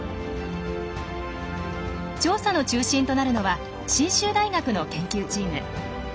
調査の中心となるのは信州大学の研究チーム。